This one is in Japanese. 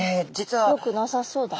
よくなさそうだな。